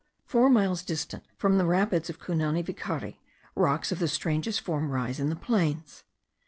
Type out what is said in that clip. Four miles distant from the rapids of Cunanivacari, rocks of the strangest form rise in the plains.